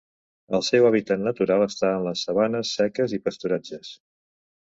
El seu hàbitat natural està en les sabanes seques i pasturatges.